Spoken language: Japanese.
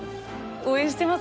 応援してます！